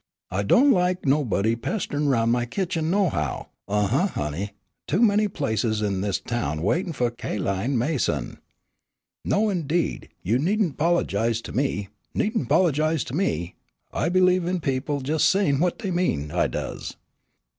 I do' lak nobody pesterin' 'roun' my kitchen, nohow, huh, uh, honey. Too many places in dis town waitin' fu' Ca'line Mason. "No, indeed, you needn't 'pologize to me! needn't 'pologize to me. I b'lieve in people sayin' jes' what dey mean, I does.